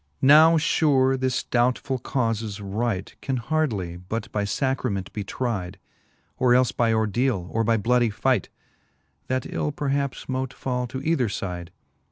Now fure this doubtfull caufes right Can hardly but by Sacrament be tride, Or elfe by ordele, or by blooddy fight ; That ill perhaps mote fall to either fide.